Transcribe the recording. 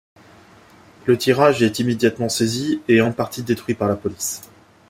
Le tirage est immédiatement saisi et en partie détruit par la police.